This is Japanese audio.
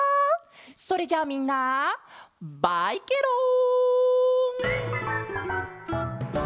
それじゃあみんなバイケロん！